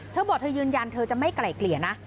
เธอบอกเธอยืนยันเธอจะไม่ไกลเกลี่ยนะ